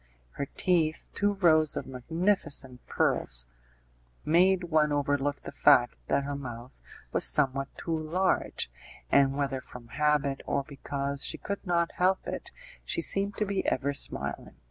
Her teeth two rows of magnificent pearls made one overlook the fact that her mouth was somewhat too large, and whether from habit, or because she could not help it, she seemed to be ever smiling.